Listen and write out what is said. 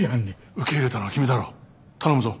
受け入れたのは君だろう。頼むぞ。